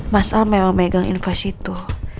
mas al memang megang invoice itu